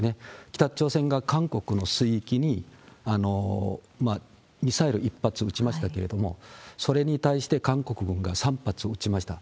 北朝鮮が韓国の水域にミサイル１発撃ちましたけれども、それに対して韓国軍が３発撃ちました。